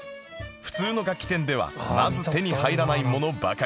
普通の楽器店ではまず手に入らないものばかり